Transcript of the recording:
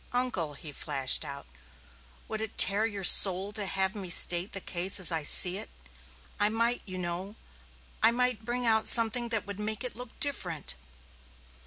Uncle," he flashed out, "would it tear your soul to have me state the case as I see it? I might, you know I might bring out something that would make it look different."